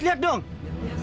bisa kita menarang istrinya